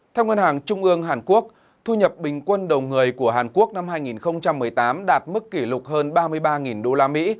theo ngân hàng trung ương hàn quốc thu nhập bình quân đầu người của hàn quốc năm hai nghìn một mươi tám đạt mức kỷ lục hơn ba mươi ba usd